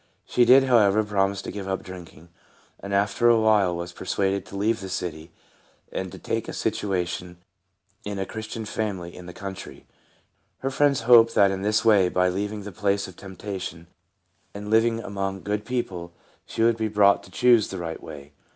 She did, however, promise to give up drinking, and after a while was persuaded to leave the city, and to take a A HELPMEET IN THE LORD. 73 situation in a Christian family in the country. Her friends hoped that in this way, by leaving the places of temptation, and living among good people, she would be brought to choose the right way.